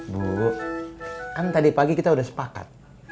bu kan tadi pagi kita sudah sepakat